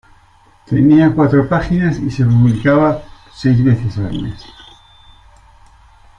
Tenía cuatro páginas y se publicaba seis veces al mes.